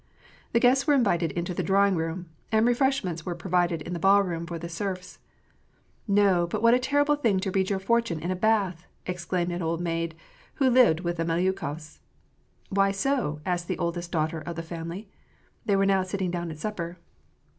The guests were invited into the drawing room, and refreshments were provided in the ballroom for the serfs. " No, but what a terrible thing to read your fortune in a bath !" exclaimed an old maid, who lived with the Melyukof s. "Why so ?" asked the oldest daughter of the family. They were now sitting down at supper.